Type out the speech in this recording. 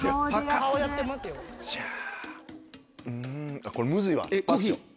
あっこれムズいわ。